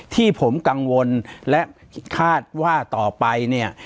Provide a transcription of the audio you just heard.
ที่ผมกังวลและคาดว่าต่อไปเนี่ย